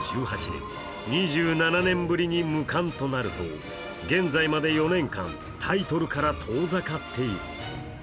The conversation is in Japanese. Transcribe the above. ２０１８年、２７年ぶりに無冠となると、現在まで４年間、タイトルから遠ざかっている。